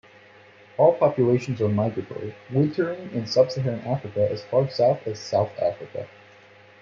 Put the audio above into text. All populations are migratory, wintering in sub-Saharan Africa as far south as South Africa.